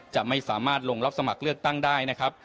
จะไม่สามารถลงรับสมัครเลือกตั้งได้นะครับ